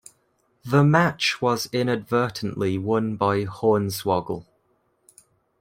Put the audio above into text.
The match was inadvertently won by Hornswoggle.